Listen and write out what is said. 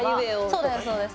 そうですそうです。